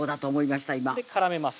今絡めます